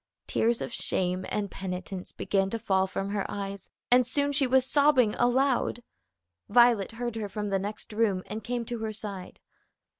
Tears of shame and penitence began to fall from her eyes, and soon she was sobbing aloud. Violet heard her from the next room, and came to her side.